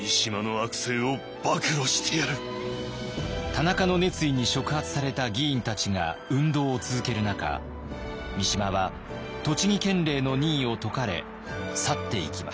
田中の熱意に触発された議員たちが運動を続ける中三島は栃木県令の任を解かれ去っていきました。